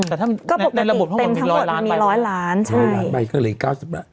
อืมมีร้อยล้านใช่เกินหลี๙๐ล้าน